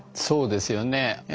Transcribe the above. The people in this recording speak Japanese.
そうですよね。